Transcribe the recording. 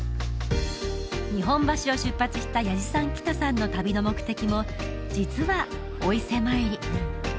日本橋を出発した弥次さん喜多さんの旅の目的も実はお伊勢参り